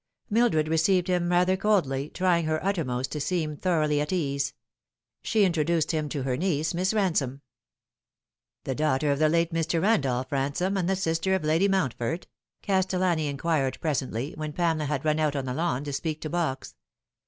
Mildred received him rather coldly, trying her uttermost to seem thoroughly at ease. She introduced him to her niece, Miss Ransome. " The daughter of the late Mr. Randolph Ransome and the pister of Lady Mountford ?" Castellani inquired presently, when Pamela had run out on the lawn to speak to Box.